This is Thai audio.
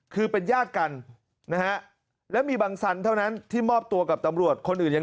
คือเป็นญาติกันนะฮะแล้วมีบังสันเท่านั้นที่มอบตัวกับตำรวจคนอื่นยัง